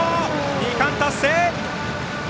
２冠達成！